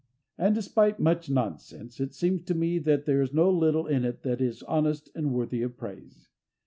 And, despite much nonsense, it seems to me that there is no little in it that is honest and worthy of praise.